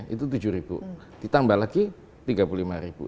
itu tujuh ribu ditambah lagi tiga puluh lima ribu